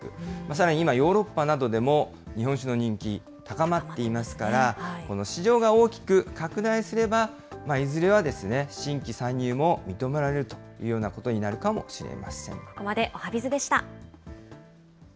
さらに今、ヨーロッパなどでも、日本酒の人気、高まっていますから、この市場が大きく拡大すれば、いずれは新規参入も認められるというようなことになるかもしれません。